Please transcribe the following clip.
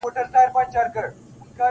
تل زبون دي په وطن کي دښمنان وي-